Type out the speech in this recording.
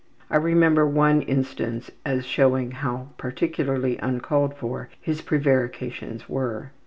I remember one instance as showing how particularly uncalled for his prevarications were.